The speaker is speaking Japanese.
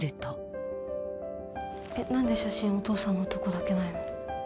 えっ何で写真お父さんのとこだけないの？